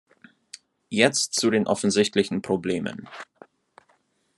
Jetzt zu den offensichtlichen Problemen.